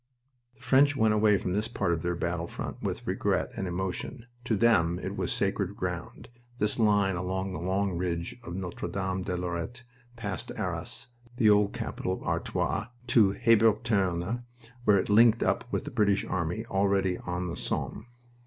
The French went away from this part of their battlefront with regret and emotion. To them it was sacred ground, this line from the long ridge of Notre Dame de Lorette, past Arras, the old capital of Artois, to Hebuterne, where it linked up with the British army already on the Somme.